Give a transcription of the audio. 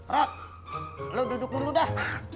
rok lo duduk dulu dah